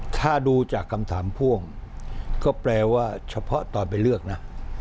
ถ้าดูจากคำถามพ่วงก็แปลว่าเฉพาะตอนไปเลือกนะ